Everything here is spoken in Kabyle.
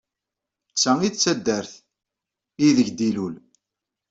D ta ay d taddart aydeg d-ilul.